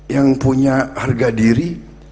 yang punya harga diri